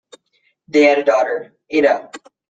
They had a daughter: Itta.